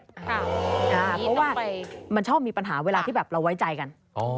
เพราะว่ามันชอบมีปัญหาเวลาที่แบบเราไว้ใจกัน